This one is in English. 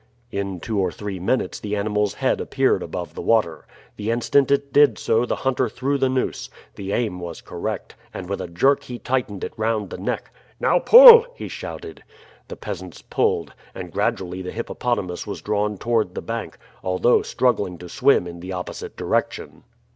In two or three minutes the animal's head appeared above the water. The instant it did so the hunter threw the noose. The aim was correct, and with a jerk he tightened it round the neck. "Now pull!" he shouted. The peasants pulled, and gradually the hippopotamus was drawn toward the bank, although struggling to swim in the opposite direction.